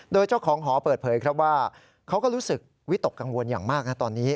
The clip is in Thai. โดยเจ้าของหอเปิดเผยครับว่าเขาก็รู้สึกวิตกกังวลอย่างมากนะตอนนี้